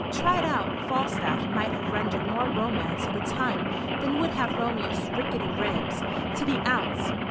Tried out, Falstaff might have rendered more romance to the ton than would have Romeo's rickety ribs to the ounce.